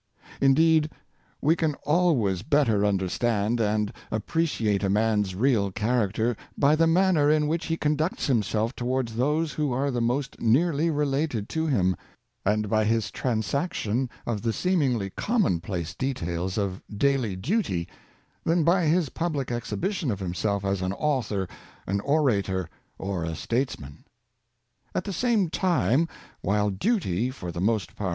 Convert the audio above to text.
" Indeed, we can always bet ter understand and appreciate a man's real character by the manner in which he conducts himself towards those who are the most nearly related to him, and by his transaction of the seemingly commonplace details of daily duty, than by his public exhibition of himself as an author, an orator, or a statesman. At the same time, while duty, for the most part